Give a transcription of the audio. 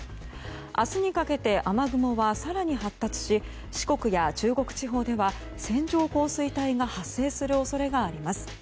明日にかけて雨雲は更に発達し四国や中国地方では線状降水帯が発生する恐れがあります。